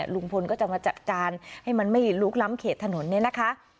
ลุงพลก็จะมาจัดการให้มันไม่ลุกล้ำเขตถนนเนี่ยนะคะ